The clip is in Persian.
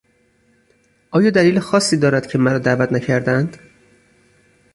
آیا دلیل خاصی وجود دارد که مرا دعوت نکردهاند؟